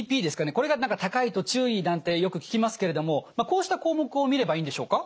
これが何か高いと注意なんてよく聞きますけれどもこうした項目を見ればいいんでしょうか？